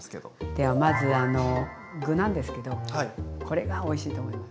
ではまずあの具なんですけどこれがおいしいと思います。